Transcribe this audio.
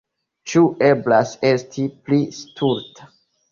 Ĉu eblas esti pli stulta?